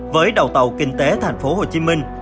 với đầu tàu kinh tế thành phố hồ chí minh